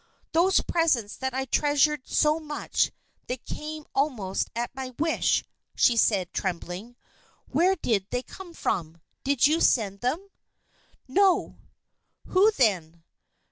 "Those presents that I treasured so much; that came almost at my wish," she said, trembling; "where did they come from? Did you send them?" "No." "Who, then?"